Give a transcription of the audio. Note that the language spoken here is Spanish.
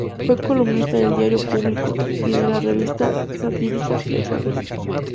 Fue columnista del diario "Público" y de la revista satírica "El Jueves".